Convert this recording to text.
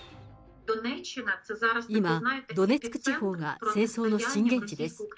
今、ドネツク地方が戦争の震源地です。